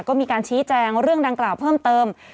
ก็มีการชี้แจงเรื่องดังกล่าวเพิ่มเติม